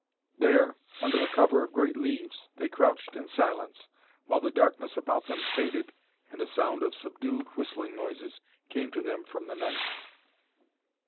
There, under the cover of great leaves, they crouched in silence, while the darkness about them faded and a sound of subdued whistling noises came to them from the night.